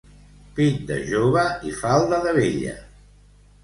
Pit de jove i falda de vella.